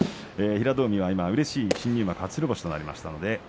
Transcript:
平戸海がうれしい新入幕の初白星となりました。